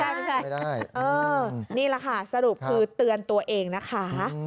นี่แหละค่ะสรุปคือเตือนตัวเองนะคะ